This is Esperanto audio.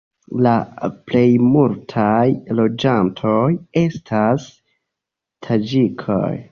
La plejmultaj loĝantoj estas taĝikoj.